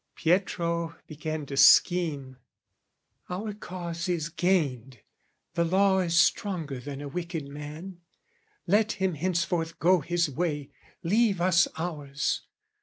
Pietro began to scheme "Our cause is gained; "The law is stronger than a wicked man: "Let him henceforth go his way, leave us ours!